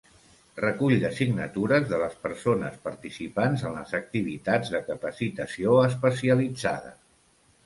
Recull de signatures de les persones participants en les activitats de capacitació especialitzada.